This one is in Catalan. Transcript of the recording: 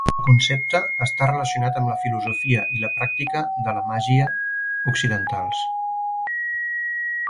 El concepte està relacionat amb la filosofia i la pràctica de la màgia occidentals.